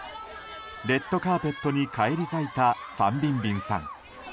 レッドカーペットに返り咲いたファン・ビンビンさん。